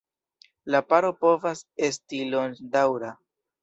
La paro povas esti longdaŭra.